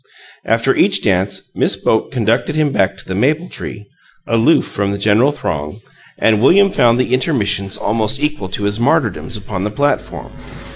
After each dance Miss Boke conducted him back to the maple tree, aloof from the general throng, and William found the intermissions almost equal to his martyrdoms upon the platform.